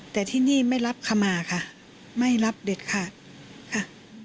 แต่ที่นี่ไม่รับขมาค่ะไม่รับเด็ดขาดค่ะ